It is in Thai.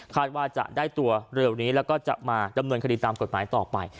ว่าจะได้ตัวเร็วนี้แล้วก็จะมาดำเนินคดีตามกฎหมายต่อไป